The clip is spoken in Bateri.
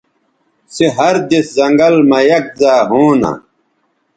سے ہر دِس زنگل مہ یک زائے ہونہ